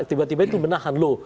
tiba tiba itu menahan